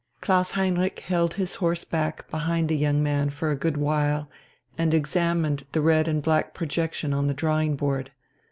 Klaus Heinrich held his horse back behind the young man for a good while, and examined the red and black projection on the drawing board.